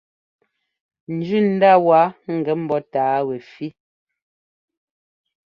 Njʉndá wá ŋgɛ́ mbɔ́ tǎa wɛfí.